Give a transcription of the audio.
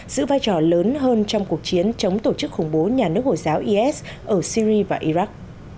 giữ vai trò lớn hơn trong cuộc chiến chống tổ chức khủng bố nhà nước hồi giáo is ở syri và iraq